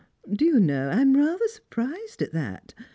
" Do you know I'm rather surprised at that.